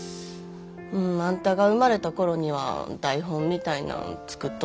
あんたが生まれた頃には台本みたいなん作っとったけどな。